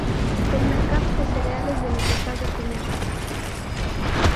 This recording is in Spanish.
El mercado de cereales de los estados unidos.